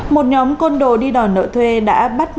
một nhóm con đồ đi đòi nội thuê đã bắt một con đồ